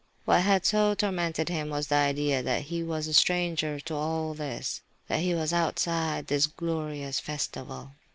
What had so tormented him was the idea that he was a stranger to all this, that he was outside this glorious festival.